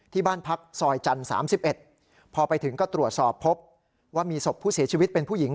ที่บ้านพักซอยจันทร์๓๑พอไปถึงก็ตรวจสอบพบว่ามีศพผู้เสียชีวิตเป็นผู้หญิง